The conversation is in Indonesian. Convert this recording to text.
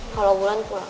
kalau bulan pulang